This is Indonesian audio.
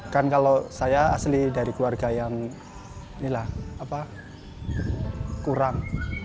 kan kalau saya asli dari keluarga yang kurang